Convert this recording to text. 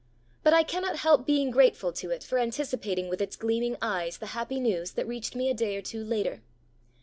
But I cannot help being grateful to it for anticipating with its gleaming eyes the happy news that reached me a day or two later.